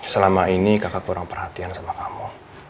selama ini kakak kurang perhatian sama kamu